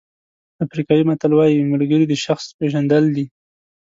افریقایي متل وایي ملګري د شخص پېژندل دي.